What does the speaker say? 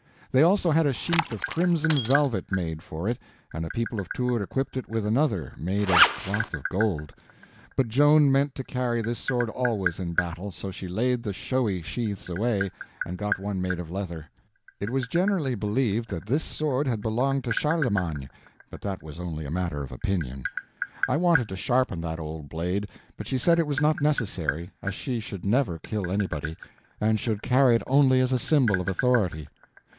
They also had a sheath of crimson velvet made for it, and the people of Tours equipped it with another, made of cloth of gold. But Joan meant to carry this sword always in battle; so she laid the showy sheaths away and got one made of leather. It was generally believed that this sword had belonged to Charlemagne, but that was only a matter of opinion. I wanted to sharpen that old blade, but she said it was not necessary, as she should never kill anybody, and should carry it only as a symbol of authority.